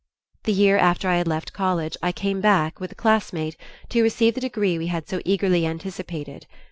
The year after I had left college I came back, with a classmate, to receive the degree we had so eagerly anticipated.